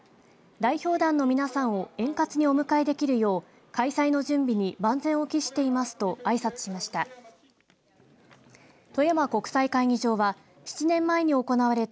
代表団の皆さんを円滑にお迎えできるよう開催の準備に万全を期していますとあいさつしました。